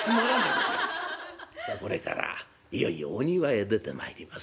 さあこれからいよいよお庭へ出てまいります。